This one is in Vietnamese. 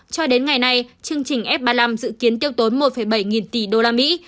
cho đến ngày nay chương trình f ba mươi năm dự kiến tiêu tốn một bảy nghìn tỷ usd